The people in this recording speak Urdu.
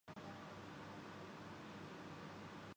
آپ کو وہاں جانے کی ضرورت نہیں